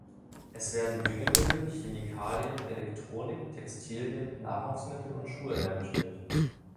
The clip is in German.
Es werden Düngemittel, Chemikalien, Elektronik, Textilien, Nahrungsmittel und Schuhe hergestellt.